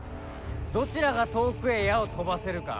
どちらが遠くへ矢を飛ばせるか。